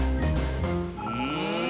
うん？